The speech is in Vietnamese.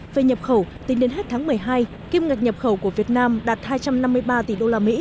về nhập khẩu tính đến hết tháng một mươi hai kim ngạch nhập khẩu của việt nam đạt hai trăm năm mươi ba tỷ usd